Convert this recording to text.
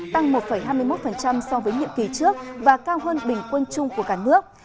tăng một hai mươi một so với nhiệm kỳ trước và cao hơn bình quân chung của cả nước